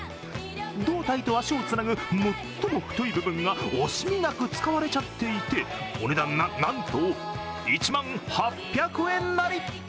胴体と脚をつなぐ最も太い部分が惜しみなく使われちゃっていてお値段、な、なんと１万８００円なり。